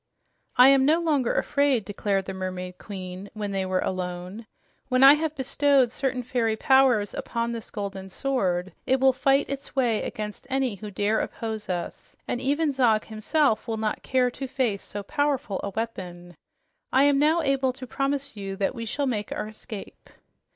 "I am no longer afraid," declared the Mermaid Queen when they were alone. "When I have bestowed certain fairy powers upon this golden sword, it will fight its way against any who dare oppose us, and even Zog himself will not care to face so powerful a weapon. I am now able to promise you that we shall make our escape."